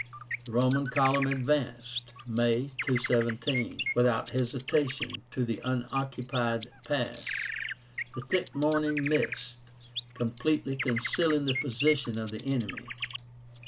The Roman column advanced (May, 217), without hesitation, to the unoccupied pass, the thick morning mist completely concealing the position of the enemy.